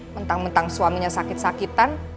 mentang mentang suaminya sakit sakitan